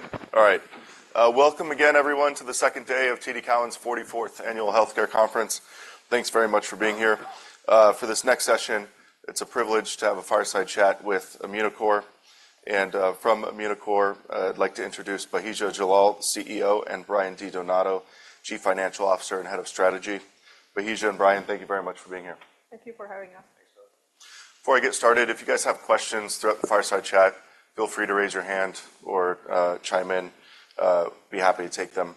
Good. All right. Welcome again, everyone, to the second day of TD Cowen's 44th Annual Healthcare Conference. Thanks very much for being here. For this next session, it's a privilege to have a fireside chat with Immunocore. From Immunocore, I'd like to introduce Bahija Jallal, CEO, and Brian Di Donato, Chief Financial Officer and Head of Strategy. Bahija and Brian, thank you very much for being here. Thank you for having us. Before I get started, if you guys have questions throughout the fireside chat, feel free to raise your hand or chime in. Be happy to take them.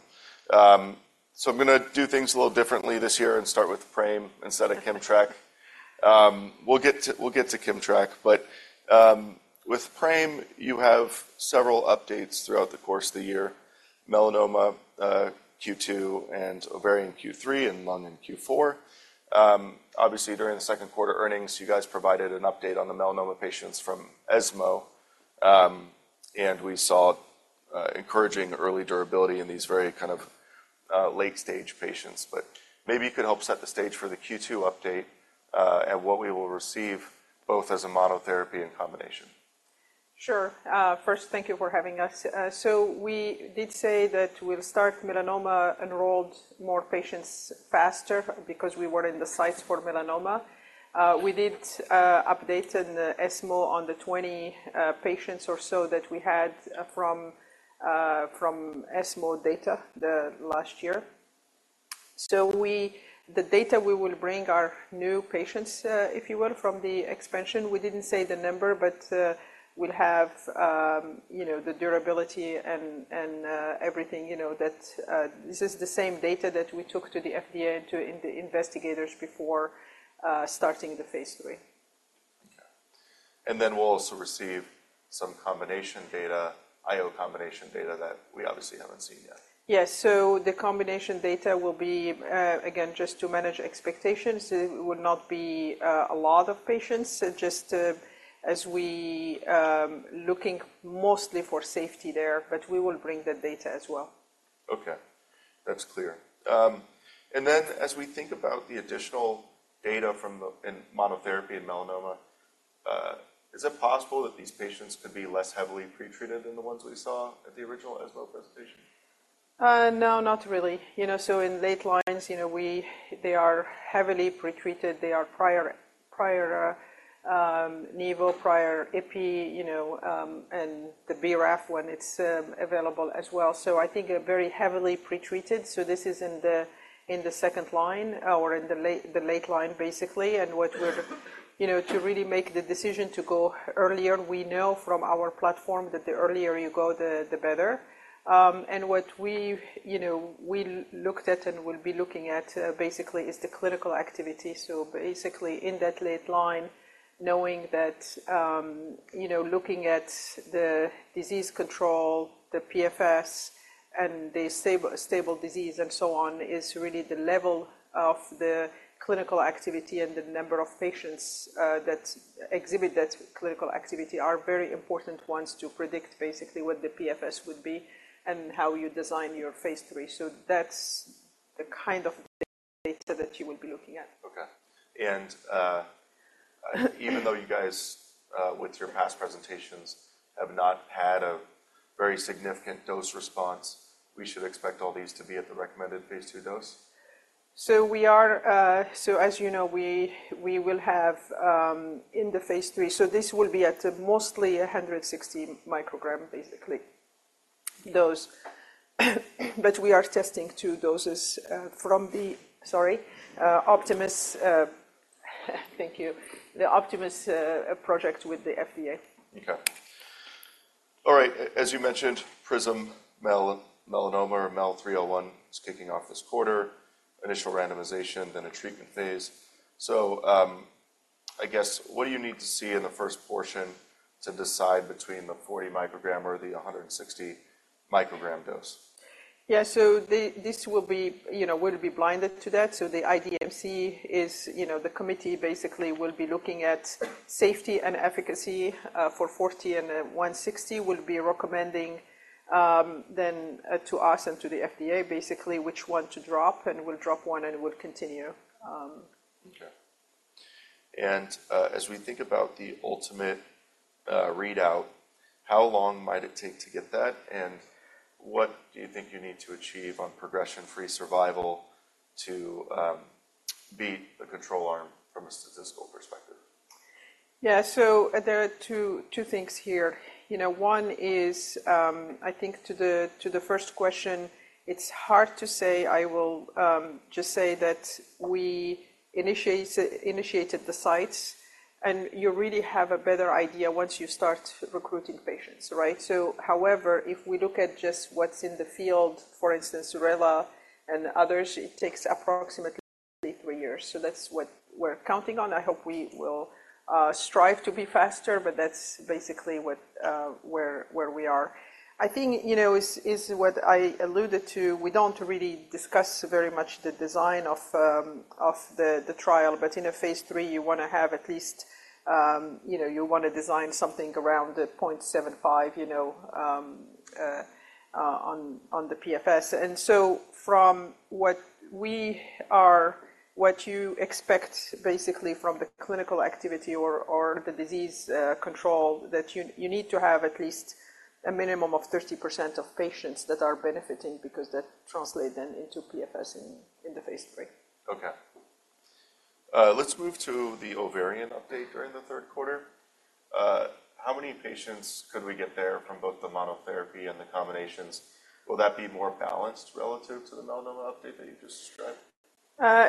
So I'm going to do things a little differently this year and start with PRAME instead of KIMMTRAK. We'll get to KIMMTRAK. But with PRAME, you have several updates throughout the course of the year: melanoma Q2, and ovarian Q3, and lung in Q4. Obviously, during the second quarter earnings, you guys provided an update on the melanoma patients from ESMO, and we saw encouraging early durability in these very kind of late-stage patients. But maybe you could help set the stage for the Q2 update and what we will receive both as a monotherapy and combination. Sure. First, thank you for having us. So we did say that we'll start melanoma-enrolled more patients faster because we were in the sights for melanoma. We did update in ESMO on the 20 patients or so that we had from ESMO data last year. So the data we will bring are new patients, if you will, from the expansion. We didn't say the number, but we'll have the durability and everything. This is the same data that we took to the FDA and to the investigators before starting the phase 3. Okay. And then we'll also receive some combination data, I/O combination data that we obviously haven't seen yet. Yes. So the combination data will be, again, just to manage expectations. It will not be a lot of patients, just as we're looking mostly for safety there. But we will bring that data as well. Okay. That's clear. And then as we think about the additional data in monotherapy and melanoma, is it possible that these patients could be less heavily pretreated than the ones we saw at the original ESMO presentation? No, not really. So in late lines, they are heavily pretreated. They are prior nivo, prior ipi, and the BRAF when it's available as well. So I think very heavily pretreated. So this is in the second line or in the late line, basically. And to really make the decision to go earlier, we know from our platform that the earlier you go, the better. And what we looked at and will be looking at, basically, is the clinical activity. So basically, in that late line, knowing that looking at the disease control, the PFS, and the stable disease and so on is really the level of the clinical activity and the number of patients that exhibit that clinical activity are very important ones to predict, basically, what the PFS would be and how you design your phase 3. That's the kind of data that you will be looking at. Okay. Even though you guys, with your past presentations, have not had a very significant dose response, we should expect all these to be at the recommended phase 2 dose? So as you know, we will have in the phase 3 so this will be at mostly 160 microgram, basically, dose. But we are testing 2 doses from the, sorry, Optimus thank you, the Optimus project with the FDA. Okay. All right. As you mentioned, PRISM-MEL-301 is kicking off this quarter, initial randomization, then a treatment phase. So I guess, what do you need to see in the first portion to decide between the 40 microgram or the 160 microgram dose? Yeah. So this will be we'll be blinded to that. So the IDMC is the committee, basically, will be looking at safety and efficacy for 40 and 160. We'll be recommending then to us and to the FDA, basically, which one to drop. And we'll drop one and we'll continue. Okay. And as we think about the ultimate readout, how long might it take to get that? And what do you think you need to achieve on progression-free survival to beat the control arm from a statistical perspective? Yeah. So there are two things here. One is, I think, to the first question, it's hard to say. I will just say that we initiated the sites. And you really have a better idea once you start recruiting patients, right? So however, if we look at just what's in the field, for instance, Xarela and others, it takes approximately 3 years. So that's what we're counting on. I hope we will strive to be faster. But that's basically where we are. I think, as what I alluded to, we don't really discuss very much the design of the trial. But in a phase 3, you want to have at least design something around 0.75 on the PFS. From what we are, what you expect, basically, from the clinical activity or the disease control, that you need to have at least a minimum of 30% of patients that are benefiting because that translates then into PFS in the phase 3. Okay. Let's move to the ovarian update during the third quarter. How many patients could we get there from both the monotherapy and the combinations? Will that be more balanced relative to the melanoma update that you just described?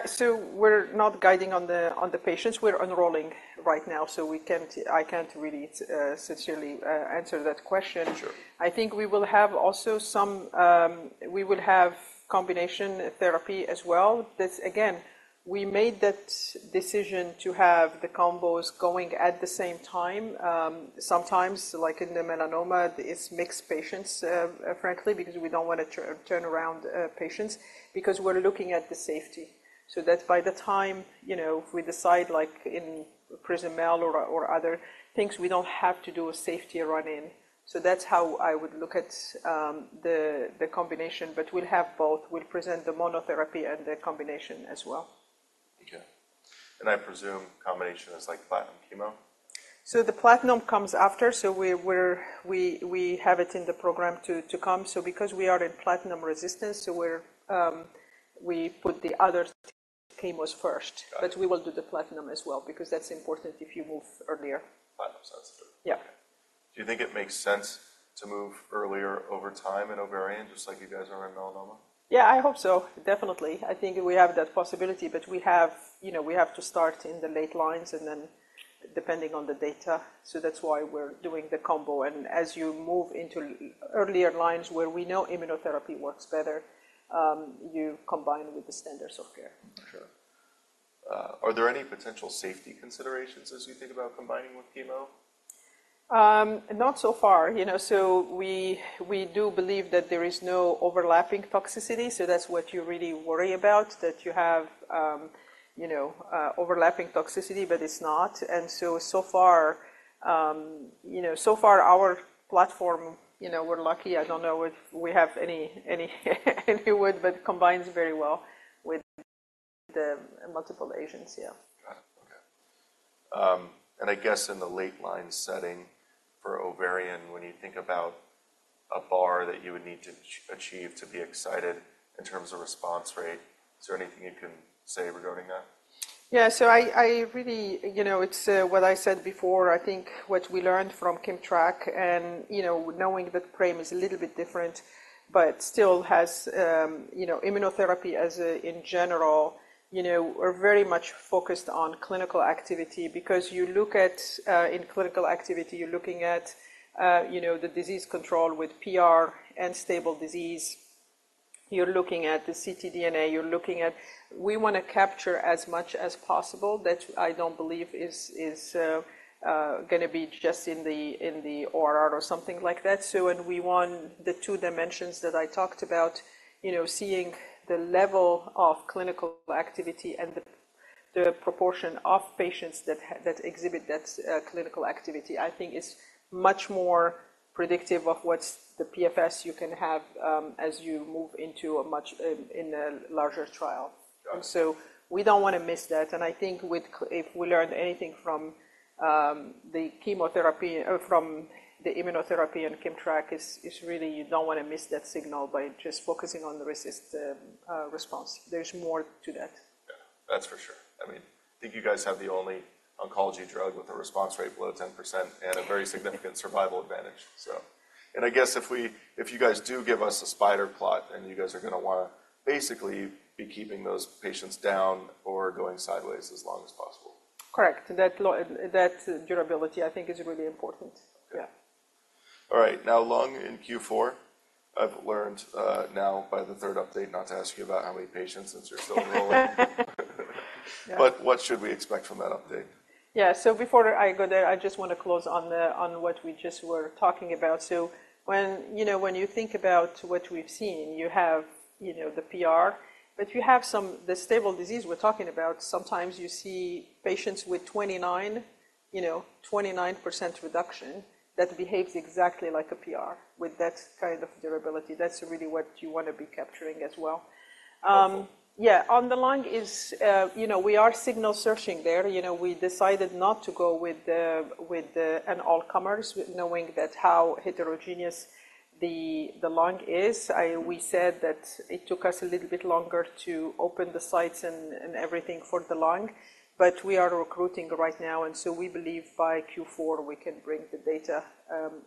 So we're not guiding on the patients. We're enrolling right now. So I can't really sincerely answer that question. I think we will have also some we will have combination therapy as well. Again, we made that decision to have the combos going at the same time. Sometimes, like in the melanoma, it's mixed patients, frankly, because we don't want to turn around patients because we're looking at the safety. So that by the time we decide, like in PRISM-MEL or other things, we don't have to do a safety run-in. So that's how I would look at the combination. But we'll have both. We'll present the monotherapy and the combination as well. Okay. And I presume combination is like platinum chemo? The platinum comes after. We have it in the program to come. Because we are in platinum resistance, we put the other chemos first. But we will do the platinum as well because that's important if you move earlier. Platinum. Sounds good. Yeah. Okay. Do you think it makes sense to move earlier over time in ovarian, just like you guys are in melanoma? Yeah. I hope so. Definitely. I think we have that possibility. But we have to start in the late lines, and then, depending on the data. So that's why we're doing the combo. And as you move into earlier lines where we know immunotherapy works better, you combine with the standards of care. Sure. Are there any potential safety considerations as you think about combining with chemo? Not so far. So we do believe that there is no overlapping toxicity. So that's what you really worry about, that you have overlapping toxicity. But it's not. And so far, our platform, we're lucky. I don't know if we have any wood. But it combines very well with the multiple agents. Yeah. Got it. Okay. And I guess in the late line setting for ovarian, when you think about a bar that you would need to achieve to be excited in terms of response rate, is there anything you can say regarding that? Yeah. So it's what I said before. I think what we learned from KIMMTRAK and knowing that PRAME is a little bit different but still has immunotherapy, in general, are very much focused on clinical activity because you look at in clinical activity, you're looking at the disease control with PR and stable disease. You're looking at the ctDNA. We want to capture as much as possible. That I don't believe is going to be just in the ORR or something like that. And we want the two dimensions that I talked about, seeing the level of clinical activity and the proportion of patients that exhibit that clinical activity, I think is much more predictive of what's the PFS you can have as you move into a larger trial. So we don't want to miss that. I think if we learned anything from the immunotherapy and KIMMTRAK, it's really you don't want to miss that signal by just focusing on the RECIST response. There's more to that. Yeah. That's for sure. I mean, I think you guys have the only oncology drug with a response rate below 10% and a very significant survival advantage, so. I guess if you guys do give us a spider plot, then you guys are going to want to basically be keeping those patients down or going sideways as long as possible. Correct. That durability, I think, is really important. Yeah. Okay. All right. Now, lung in Q4, I've learned now by the third update not to ask you about how many patients since you're still enrolling. But what should we expect from that update? Yeah. So before I go there, I just want to close on what we just were talking about. So when you think about what we've seen, you have the PR. But you have the stable disease we're talking about. Sometimes you see patients with 29% reduction that behaves exactly like a PR with that kind of durability. That's really what you want to be capturing as well. Yeah. On the lung, we are signal searching there. We decided not to go with an all-comers, knowing how heterogeneous the lung is. We said that it took us a little bit longer to open the sites and everything for the lung. But we are recruiting right now. And so we believe by Q4, we can bring the data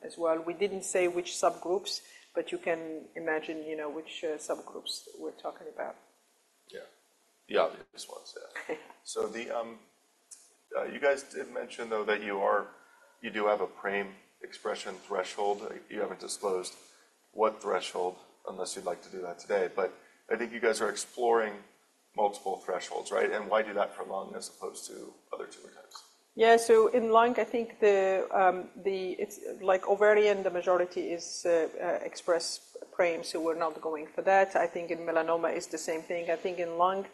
as well. We didn't say which subgroups. But you can imagine which subgroups we're talking about. Yeah. The obvious ones. Yeah. So you guys did mention, though, that you do have a PRAME expression threshold. You haven't disclosed what threshold unless you'd like to do that today. But I think you guys are exploring multiple thresholds, right? And why do that for lung as opposed to other tumor types? Yeah. So in lung, I think ovarian, the majority is express PRAME. So we're not going for that. I think in melanoma is the same thing. I think in lung,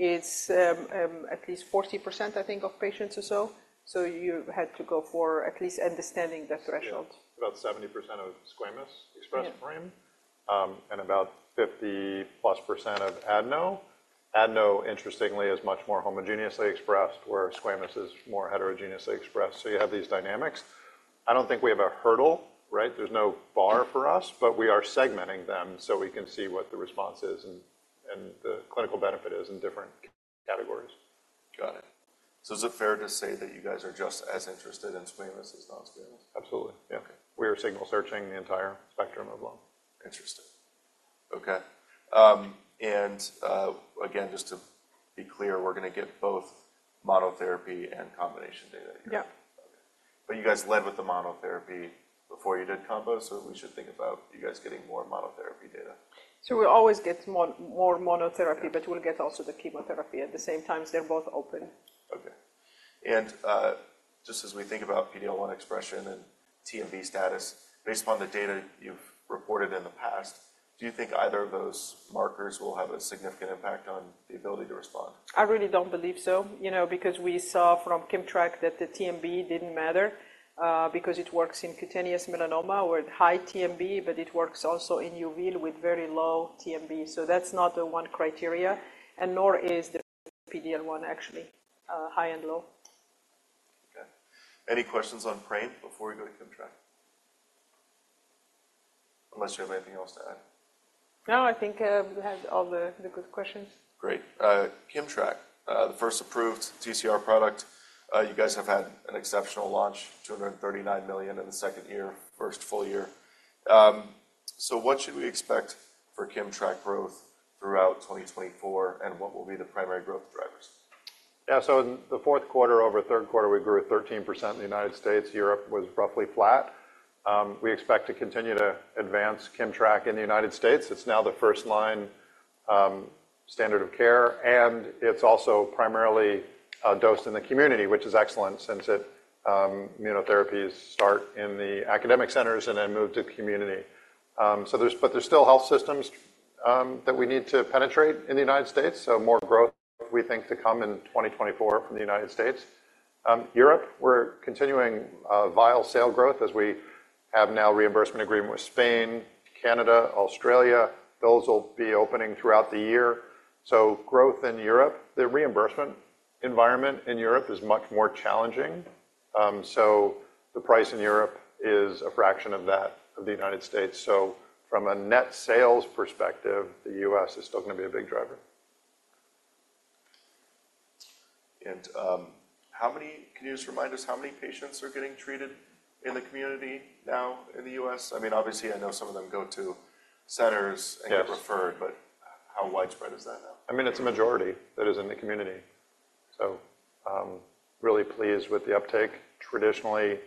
it's at least 40%, I think, of patients or so. So you had to go for at least understanding the threshold. Yeah. About 70% of squamous express PRAME and about 50+% of adeno. Adeno, interestingly, is much more homogeneously expressed, whereas squamous is more heterogeneously expressed. So you have these dynamics. I don't think we have a hurdle, right? There's no bar for us. But we are segmenting them so we can see what the response is and the clinical benefit is in different categories. Got it. So is it fair to say that you guys are just as interested in squamous as non-squamous? Absolutely. Yeah. Okay. We are signal searching the entire spectrum of lung. Interesting. Okay. And again, just to be clear, we're going to get both monotherapy and combination data here. Yeah. Okay. But you guys led with the monotherapy before you did combo. So we should think about you guys getting more monotherapy data. We always get more monotherapy. But we'll get also the chemotherapy at the same time. They're both open. Okay. And just as we think about PD-L1 expression and TMB status, based on the data you've reported in the past, do you think either of those markers will have a significant impact on the ability to respond? I really don't believe so because we saw from KIMMTRAK that the TMB didn't matter because it works in cutaneous melanoma with high TMB. But it works also in UV with very low TMB. So that's not the one criteria. And nor is the PD-L1, actually, high and low. Okay. Any questions on PRAME before we go to KIMMTRAK unless you have anything else to add? No. I think we had all the good questions. Great. KIMMTRAK, the first approved TCR product, you guys have had an exceptional launch, $239 million in the second year, first full year. So what should we expect for KIMMTRAK growth throughout 2024? And what will be the primary growth drivers? Yeah. So in the fourth quarter over third quarter, we grew 13% in the United States. Europe was roughly flat. We expect to continue to advance KIMMTRAK in the United States. It's now the first-line standard of care. And it's also primarily dosed in the community, which is excellent since immunotherapies start in the academic centers and then move to the community. But there's still health systems that we need to penetrate in the United States. So more growth, we think, to come in 2024 from the United States. Europe, we're continuing with sales growth as we have now reimbursement agreements with Spain, Canada, Australia. Those will be opening throughout the year. So growth in Europe, the reimbursement environment in Europe is much more challenging. So the price in Europe is a fraction of that of the United States. From a net sales perspective, the U.S. is still going to be a big driver. Can you just remind us how many patients are getting treated in the community now in the U.S.? I mean, obviously, I know some of them go to centers and get referred. But how widespread is that now? I mean, it's a majority that is in the community. So really pleased with the uptake. Traditionally,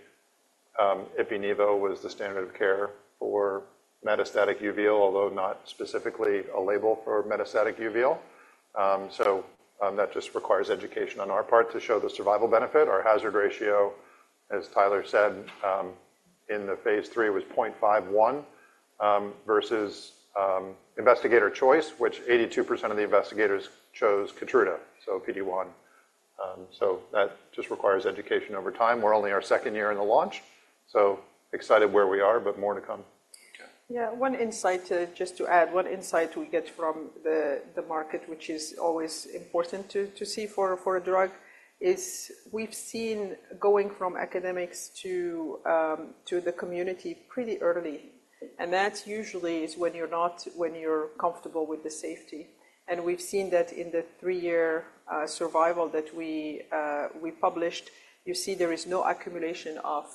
ipilimumab was the standard of care for metastatic UVL, although not specifically a label for metastatic UVL. So that just requires education on our part to show the survival benefit. Our hazard ratio, as Tyler said in the phase 3, was 0.51 versus Investigator Choice, which 82% of the investigators chose Keytruda, so PD-1. So that just requires education over time. We're only our second year in the launch. So excited where we are. But more to come. Yeah. Just to add, one insight we get from the market, which is always important to see for a drug, is we've seen going from academics to the community pretty early. And that usually is when you're comfortable with the safety. And we've seen that in the three-year survival that we published, you see there is no accumulation of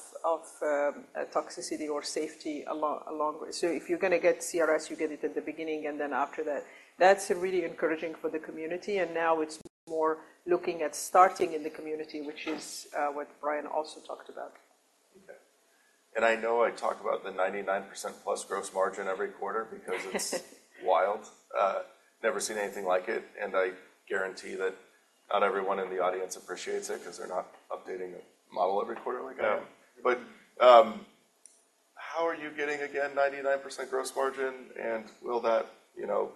toxicity or safety along the way. So if you're going to get CRS, you get it at the beginning. And then after that, that's really encouraging for the community. And now it's more looking at starting in the community, which is what Brian also talked about. Okay. And I know I talk about the 99%-plus gross margin every quarter because it's wild. Never seen anything like it. And I guarantee that not everyone in the audience appreciates it because they're not updating a model every quarter like I am. But how are you getting, again, 99% gross margin? And will that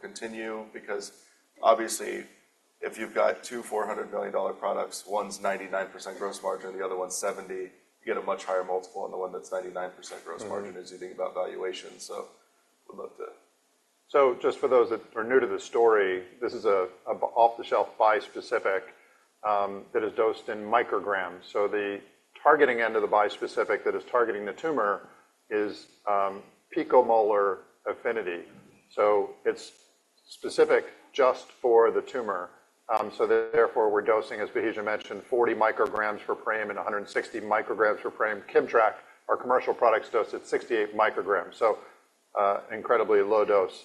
continue? Because obviously, if you've got two $400 million products, one's 99% gross margin, the other one's 70%, you get a much higher multiple. And the one that's 99% gross margin is you think about valuation. So we'd love to. So just for those that are new to the story, this is an off-the-shelf bispecific that is dosed in micrograms. So the targeting end of the bispecific that is targeting the tumor is picomolar affinity. So it's specific just for the tumor. So therefore, we're dosing, as Bahija mentioned, 40 micrograms for PRAME and 160 micrograms for PRAME. KIMMTRAK, our commercial products, dose at 68 micrograms. So incredibly low dose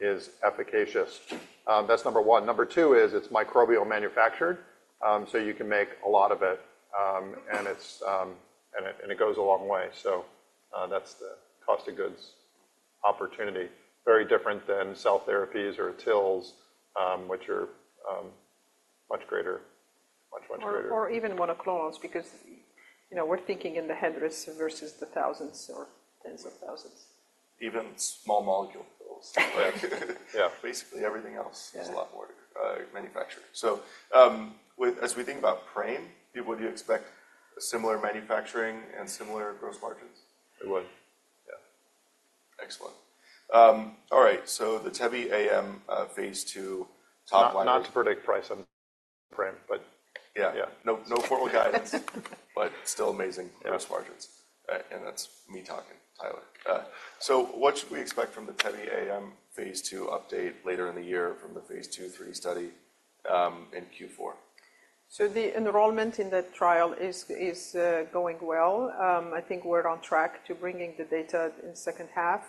is efficacious. That's number one. Number two is it's microbial manufactured. So you can make a lot of it. And it goes a long way. So that's the cost-of-goods opportunity, very different than cell therapies or TILs, which are much, much, much greater. Or even monoclonals because we're thinking in the hundreds versus the thousands or tens of thousands. Even small molecule pills. Basically, everything else is a lot more manufactured. So as we think about PRAME, would you expect similar manufacturing and similar gross margins? I would. Yeah. Excellent. All right. So the TEBE-AM phase 2 top line. Not to predict price on PRAME. But yeah. Yeah. No formal guidance. But still amazing gross margins. And that's me talking, Tyler. So what should we expect from the TEBE-AM phase 2 update later in the year from the phase 2/3 study in Q4? So the enrollment in that trial is going well. I think we're on track to bringing the data in the second half.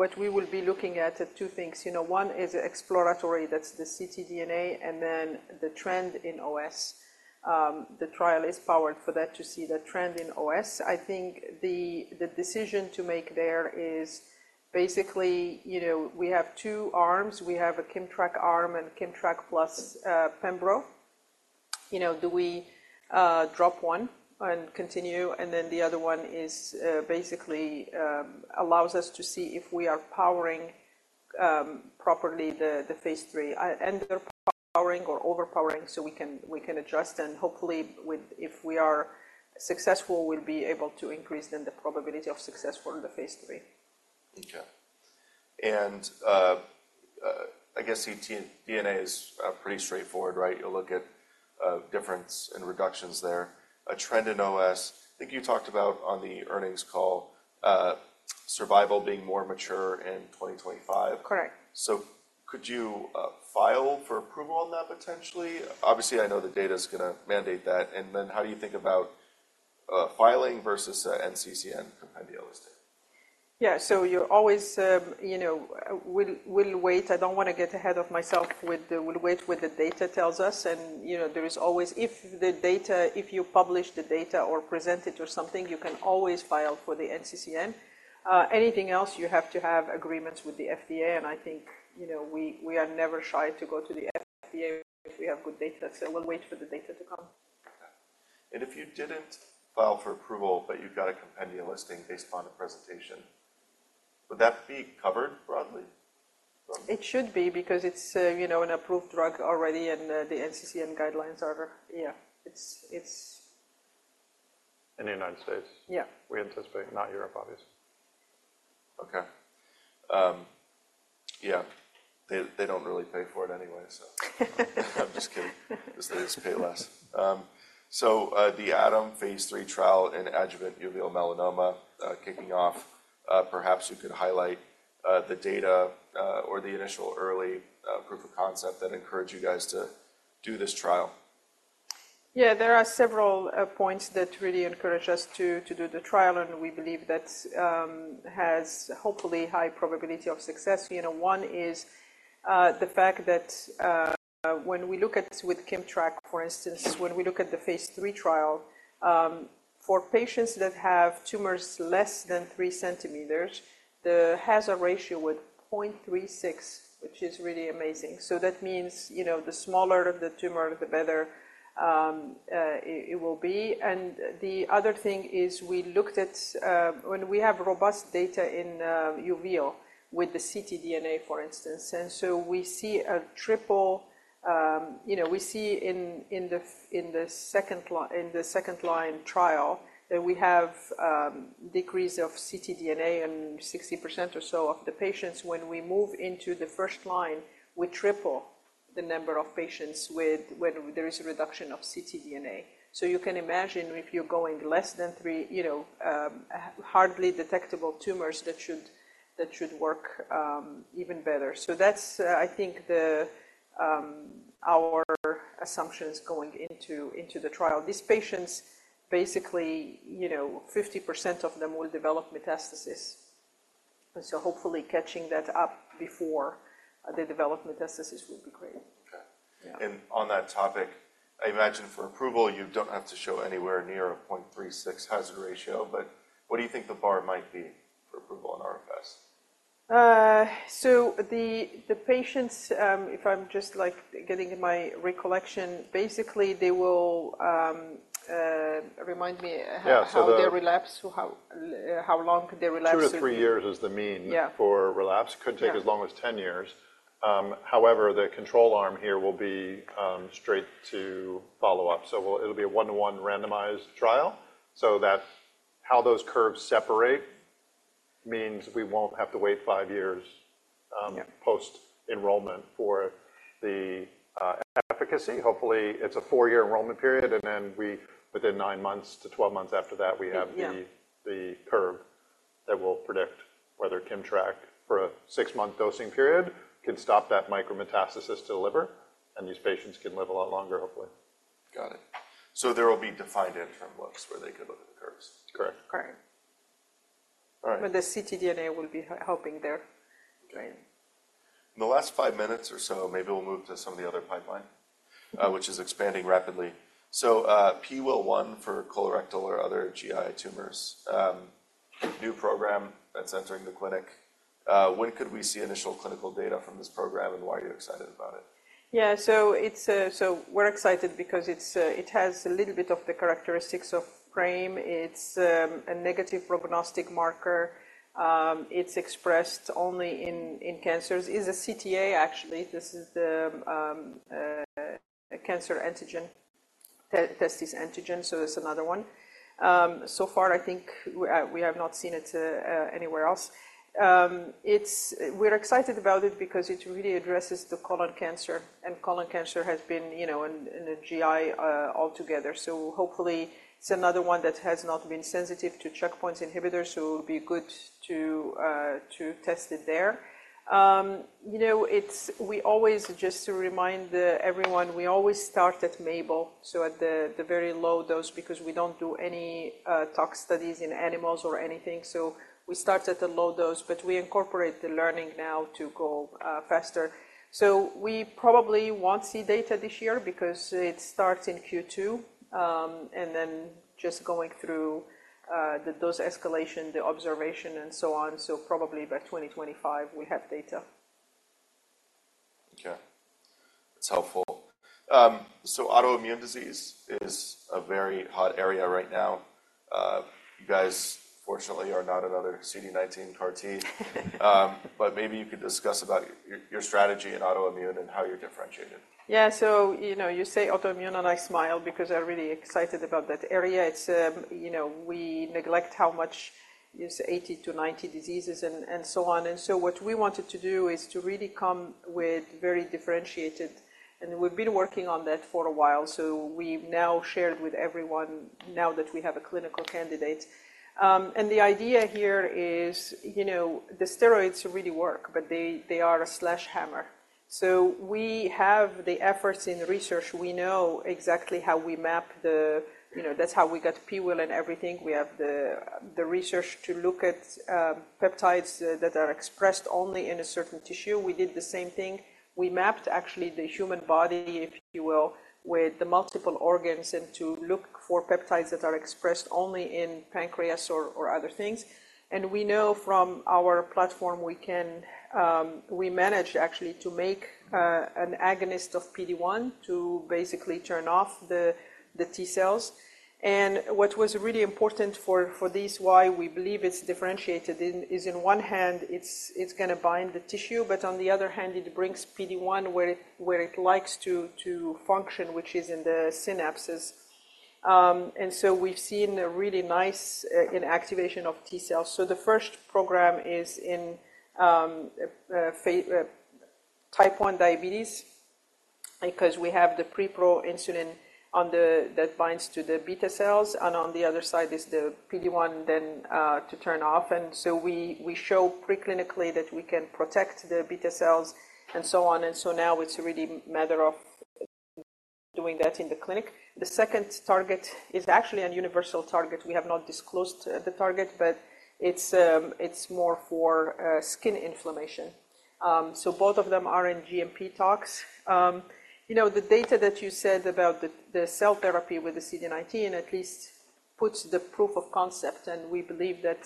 What we will be looking at are two things. One is exploratory. That's the ctDNA. Then the trend in OS. The trial is powered for that to see the trend in OS. I think the decision to make there is basically, we have two arms. We have a KIMMTRAK arm and KIMMTRAK plus Pembro. Do we drop one and continue? Then the other one basically allows us to see if we are powering properly the phase three, underpowering or overpowering, so we can adjust. Hopefully, if we are successful, we'll be able to increase then the probability of success for the phase three. Okay. I guess ctDNA is pretty straightforward, right? You'll look at difference in reductions there. A trend in OS, I think you talked about on the earnings call, survival being more mature in 2025. Correct. Could you file for approval on that potentially? Obviously, I know the data is going to mandate that. Then how do you think about filing versus NCCN compendium listing? Yeah. So we'll always wait. I don't want to get ahead of myself with what the data tells us. And there is always, if you publish the data or present it or something, you can always file for the NCCN. Anything else, you have to have agreements with the FDA. And I think we are never shy to go to the FDA if we have good data. So we'll wait for the data to come. Okay. If you didn't file for approval, but you've got a compendium listing based on a presentation, would that be covered broadly? It should be because it's an approved drug already. The NCCN guidelines are yeah. It's. In the United States? Yeah. We anticipate. Not Europe, obviously. Okay. Yeah. They don't really pay for it anyway, so. I'm just kidding. They just pay less. So the ADAM Phase 3 trial in adjuvant uveal melanoma kicking off, perhaps you could highlight the data or the initial early proof of concept that encouraged you guys to do this trial? Yeah. There are several points that really encouraged us to do the trial. We believe that has hopefully high probability of success. One is the fact that when we look at with KIMMTRAK, for instance, when we look at the phase 3 trial, for patients that have tumors less than 3 centimeters, the hazard ratio was 0.36, which is really amazing. That means the smaller the tumor, the better it will be. The other thing is we looked at when we have robust data in uveal with the ctDNA, for instance. We see a triple we see in the second-line trial that we have decrease of ctDNA in 60% or so of the patients. When we move into the first line, we triple the number of patients when there is a reduction of ctDNA. So you can imagine if you're going less than 3 hardly detectable tumors that should work even better. So that's, I think, our assumptions going into the trial. These patients, basically, 50% of them will develop metastasis. And so hopefully, catching that up before they develop metastasis would be great. Okay. And on that topic, I imagine for approval, you don't have to show anywhere near a 0.36 hazard ratio. But what do you think the bar might be for approval on RFS? The patients, if I'm just getting my recollection, basically, they will remind me how they relapse, how long they relapse. 2-3 years is the mean for relapse. Could take as long as 10 years. However, the control arm here will be straight to follow-up. So it'll be a 1:1 randomized trial. So how those curves separate means we won't have to wait 5 years post-enrollment for the efficacy. Hopefully, it's a 4-year enrollment period. And then within 9-12 months after that, we have the curve that will predict whether KIMMTRAK, for a 6-month dosing period, can stop that micrometastasis to liver. And these patients can live a lot longer, hopefully. Got it. So there will be defined interim looks where they could look at the curves. Correct. Correct. All right. But the ctDNA will be helping there. In the last five minutes or so, maybe we'll move to some of the other pipeline, which is expanding rapidly. So PIWIL1 for colorectal or other GI tumors, new program that's entering the clinic. When could we see initial clinical data from this program? And why are you excited about it? Yeah. So we're excited because it has a little bit of the characteristics of PRAME. It's a negative prognostic marker. It's expressed only in cancers. It's a CTA, actually. This is the cancer antigen, testis antigen. So it's another one. So far, I think we have not seen it anywhere else. We're excited about it because it really addresses the colon cancer. And colon cancer has been in the GI altogether. So hopefully, it's another one that has not been sensitive to checkpoint inhibitors. So it would be good to test it there. Just to remind everyone, we always start at MABLE, so at the very low dose because we don't do any tox studies in animals or anything. So we start at the low dose. But we incorporate the learning now to go faster. So we probably won't see data this year because it starts in Q2. And then just going through the dose escalation, the observation, and so on. So probably by 2025, we'll have data. Okay. That's helpful. Autoimmune disease is a very hot area right now. You guys, fortunately, are not another CD19 CAR-T. Maybe you could discuss about your strategy in autoimmune and how you're differentiated. Yeah. So you say autoimmune, and I smile because I'm really excited about that area. We neglect how much it's 80-90 diseases and so on. And so what we wanted to do is to really come with very differentiated and we've been working on that for a while. So we've now shared with everyone now that we have a clinical candidate. And the idea here is the steroids really work. But they are a sledgehammer. So we have the expertise in research. We know exactly how we map that. That's how we got PWIL1 and everything. We have the research to look at peptides that are expressed only in a certain tissue. We did the same thing. We mapped, actually, the human body, if you will, with multiple organs and to look for peptides that are expressed only in pancreas or other things. We know from our platform, we managed, actually, to make an agonist of PD-1 to basically turn off the T cells. What was really important for these, why we believe it's differentiated, is, on one hand, it's going to bind the tissue. But on the other hand, it brings PD-1 where it likes to function, which is in the synapses. And so we've seen a really nice inactivation of T cells. So the first program is in Type 1 diabetes because we have the preproinsulin that binds to the beta cells. And on the other side is the PD-1 then to turn off. And so we show preclinically that we can protect the beta cells and so on. And so now it's really a matter of doing that in the clinic. The second target is actually a universal target. We have not disclosed the target. It's more for skin inflammation. Both of them are in GMP tox. The data that you said about the cell therapy with the CD19 at least puts the proof of concept. We believe that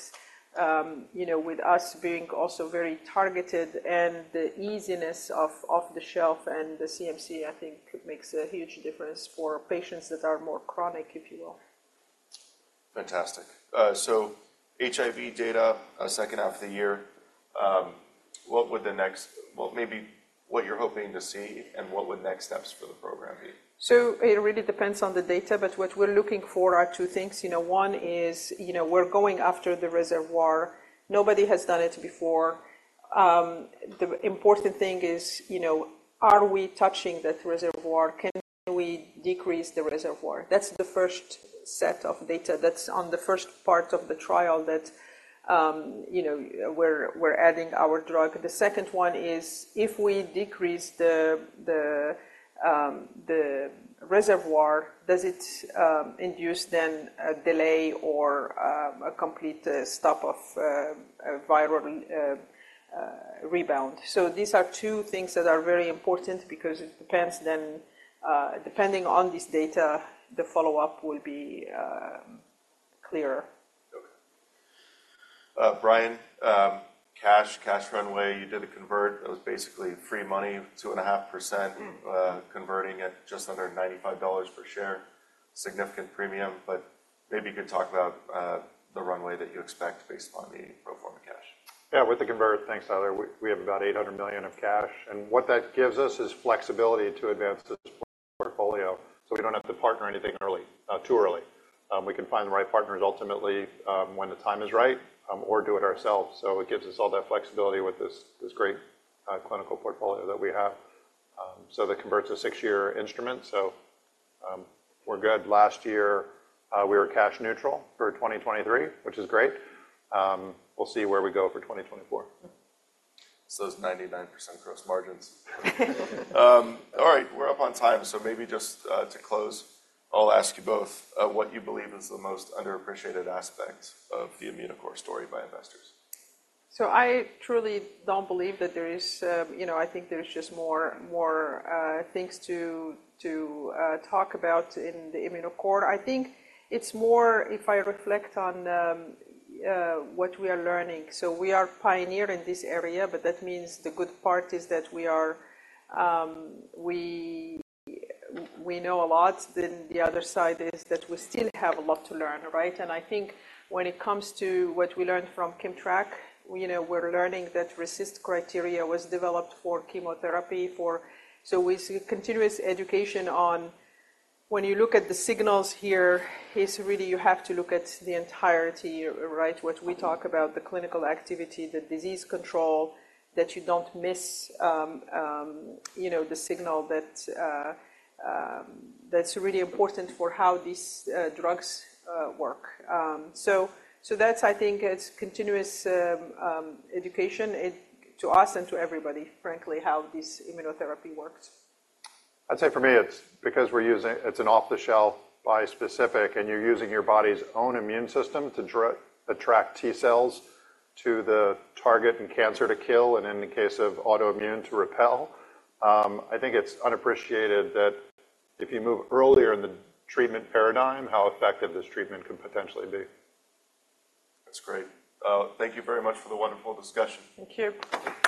with us being also very targeted and the easiness off the shelf and the CMC, I think, makes a huge difference for patients that are more chronic, if you will. Fantastic. So HIV data, second half of the year. What would the next maybe what you're hoping to see? And what would next steps for the program be? It really depends on the data. But what we're looking for are two things. One is we're going after the reservoir. Nobody has done it before. The important thing is, are we touching that reservoir? Can we decrease the reservoir? That's the first set of data. That's on the first part of the trial that we're adding our drug. The second one is, if we decrease the reservoir, does it induce then a delay or a complete stop of viral rebound? These are two things that are very important because it depends then, depending on this data, the follow-up will be clearer. Okay. Brian, cash, cash runway, you did a convert. That was basically free money, 2.5% converting at just under $95 per share, significant premium. But maybe you could talk about the runway that you expect based on the pro forma cash. Yeah. With the convert, thanks, Tyler. We have about $800 million of cash. And what that gives us is flexibility to advance this portfolio. So we don't have to partner anything early, too early. We can find the right partners ultimately when the time is right or do it ourselves. So it gives us all that flexibility with this great clinical portfolio that we have. So the convert's a six-year instrument. So we're good. Last year, we were cash neutral for 2023, which is great. We'll see where we go for 2024. It's 99% gross margins. All right. We're up on time. Maybe just to close, I'll ask you both what you believe is the most underappreciated aspect of the Immunocore story by investors. So I truly don't believe that there is. I think there's just more things to talk about in the Immunocore. I think it's more if I reflect on what we are learning. So we are pioneer in this area. But that means the good part is that we know a lot. Then the other side is that we still have a lot to learn, right? And I think when it comes to what we learned from KIMMTRAK, we're learning that RECIST criteria was developed for chemotherapy. So it's continuous education on when you look at the signals here, really, you have to look at the entirety, right, what we talk about, the clinical activity, the disease control, that you don't miss the signal that's really important for how these drugs work. So that's, I think, it's continuous education to us and to everybody, frankly, how this immunotherapy works. I'd say for me, it's because we're using. It's an off-the-shelf bispecific. And you're using your body's own immune system to attract T cells to the target and cancer to kill. And in the case of autoimmune, to repel. I think it's unappreciated that if you move earlier in the treatment paradigm, how effective this treatment can potentially be. That's great. Thank you very much for the wonderful discussion. Thank you.